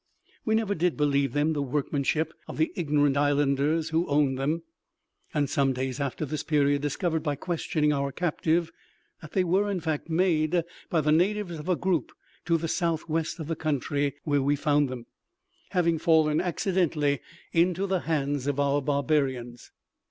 We never did believe them the workmanship of the ignorant islanders who owned them; and some days after this period discovered, by questioning our captive, that they were in fact made by the natives of a group to the southwest of the country where we found them, having fallen accidentally into the hands of our barbarians.